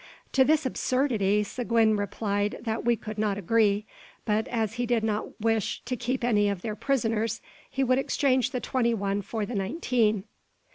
To this absurdity Seguin replied that we could not agree; but, as he did not wish to keep any of their prisoners, he would exchange the twenty one for the nineteen.